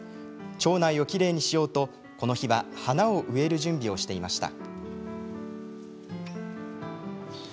町内をきれいにしようとこの日は花を植える準備をしていました。